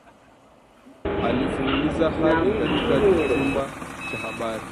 Alifululiza hadi katika chumba cha habari